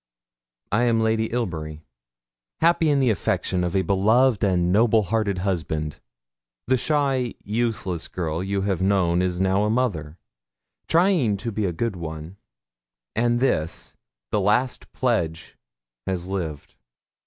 I am Lady Ilbury, happy in the affection of a beloved and noblehearted husband. The shy useless girl you have known is now a mother trying to be a good one; and this, the last pledge, has lived.